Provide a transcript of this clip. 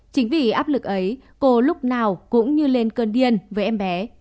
chính vì áp lực ấy cô lúc nào cũng như lên cơn điên với em bé